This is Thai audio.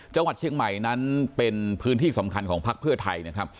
จังหวัดเชียงใหม่นั้นเป็นพื้นที่สำคัญของพักเพื่อไทยนะครับ